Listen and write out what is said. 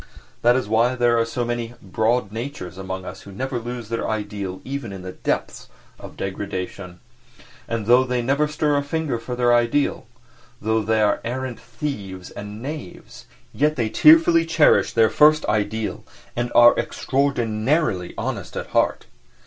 That is why there are so many "broad natures" among us who never lose their ideal even in the depths of degradation; and though they never stir a finger for their ideal, though they are arrant thieves and knaves, yet they tearfully cherish their first ideal and are extraordinarily honest at heart.